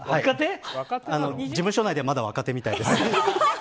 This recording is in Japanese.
事務所内ではまだ若手みたいです。